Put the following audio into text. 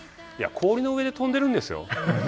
氷の上で跳んでいるんですよ。